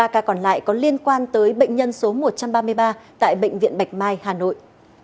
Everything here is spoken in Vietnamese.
ba ca còn lại có liên quan tới bệnh nhân số một trăm ba mươi ba tại bệnh viện bạch mai hà nội